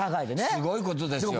すごいことですよ。